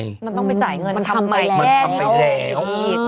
มันต้องไปจ่ายเงินมันทำไปแล้ว